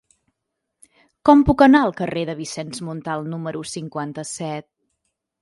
Com puc anar al carrer de Vicenç Montal número cinquanta-set?